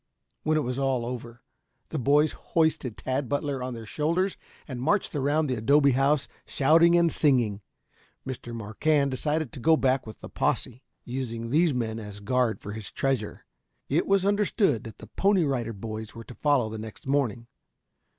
When all was over, the boys hoisted Tad Butler on their shoulders and marched around the adobe house shouting and singing. Mr. Marquand decided to go back with the posse, using these men as a guard for his treasure. It was understood that the Pony Rider Boys were to follow the next morning.